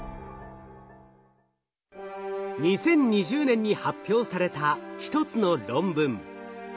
２０２０年に発表された一つの論文。